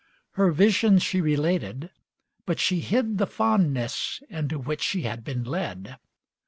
Her vision she related, but she hid The fondness into which she had been led.